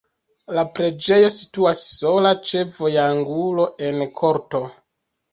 La preĝejo situas sola ĉe vojangulo en korto.